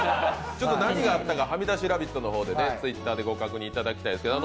何があったか「はみだしラヴィット！」のＴｗｉｔｔｅｒで確認していただきたいんですけど。